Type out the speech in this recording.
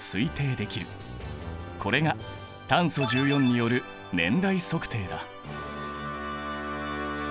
これが炭素１４による年代測定だ。